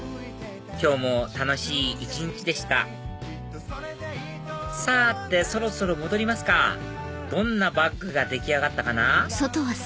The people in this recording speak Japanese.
今日も楽しい一日でしたさてそろそろ戻りますかどんなバッグが出来上がったかな？